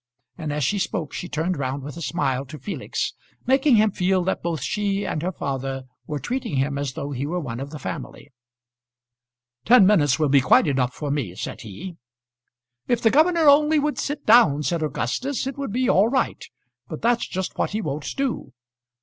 And as she spoke she turned round with a smile to Felix, making him feel that both she and her father were treating him as though he were one of the family. "Ten minutes will be quite enough for me," said he. "If the governor only would sit down," said Augustus, "it would be all right. But that's just what he won't do.